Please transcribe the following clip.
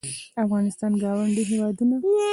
د افغانستان ګاونډي هېوادونه